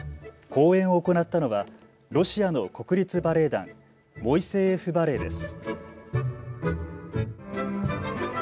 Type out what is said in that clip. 公演を行ったのはロシアの国立バレエ団、モイセーエフバレエです。